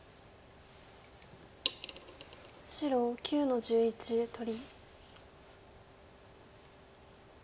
白９の十一取り。